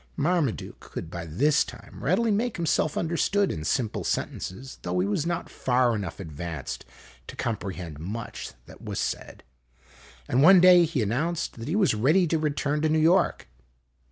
Marmaduke could by this time readily make himself understood in simple sentences, though he was not far enough advanced to comprehend much that was said ; and one day he announced that he was ready to return to New York.